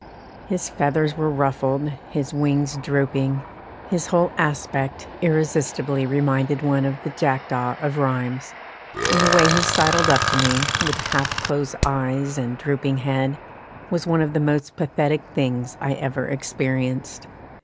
His feathers were ruffled, his wings drooping, his whole aspect irresistibly reminded one of the Jackdaw of Rheims; and the way he sidled up to me, with half closed eyes and drooping head, was one of the most pathetic things I ever experienced.